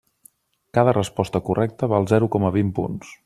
Cada resposta correcta val zero coma vint punts.